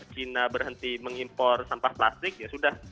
china berhenti mengimpor sampah plastik ya sudah